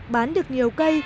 bán được nhiều cây